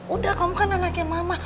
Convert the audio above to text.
udah kamu kan anaknya mama